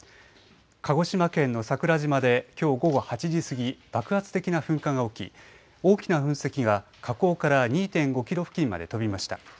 鹿児島県の桜島できょう午後８時過ぎ、爆発的な噴火が起き大きな噴石が火口から２．５キロ付近まで飛びました。